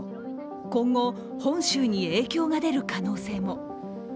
今後、本州に影響が出る可能性も。